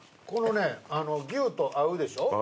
このね牛と合うでしょ。